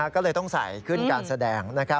ก็เลยต้องใส่ขึ้นการแสดง